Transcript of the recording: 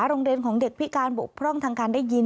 โรงเรียนของเด็กพิการบกพร่องทางการได้ยิน